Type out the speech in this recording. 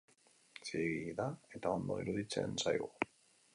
Zilegi da eta ondo iruditzen zaigu.